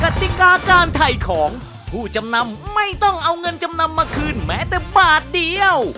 ติกาการถ่ายของผู้จำนำไม่ต้องเอาเงินจำนำมาคืนแม้แต่บาทเดียว